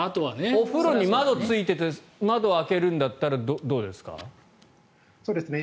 お風呂に窓がついていて窓を開けるんだったらどうですか。